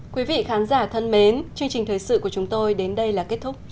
quý vị khán giả thân mến chương trình thời sự của chúng tôi đến đây là kết thúc